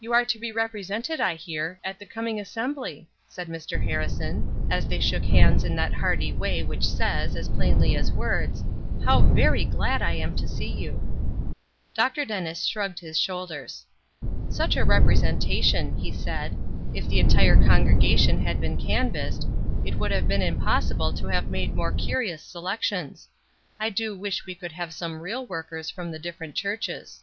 "You are to be represented, I hear, at the coming assembly," said Mr. Harrison, as they shook hands in that hearty way which says, as plainly as words, "How very glad I am to see you!" Dr. Dennis shrugged his shoulders. "Such a representation!" he said. "If the entire congregation had been canvassed, it would have been impossible to have made more curious selections. I do wish we could have some real workers from the different churches."